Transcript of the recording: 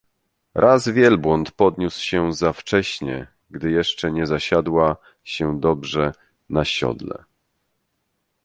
Raz wielbłąd podniósł się za wcześnie, gdy jeszcze nie zasiadła się dobrze na siodle.